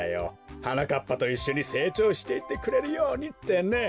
はなかっぱといっしょにせいちょうしていってくれるようにってね。